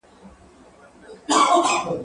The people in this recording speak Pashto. کېدای سي پلان غلط وي!.